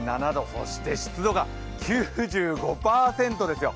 そして湿度が９５％ですよ。